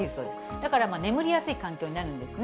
だから眠りやすい環境になるんですね。